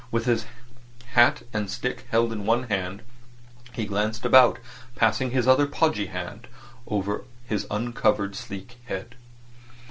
With his hat and stick held in one hand he glanced about, passing his other podgy hand over his uncovered sleek head.